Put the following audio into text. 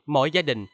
mỗi gia đình